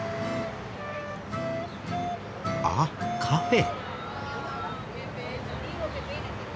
あっカフェ。